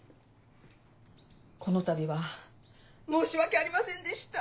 このたびは申し訳ありませんでした。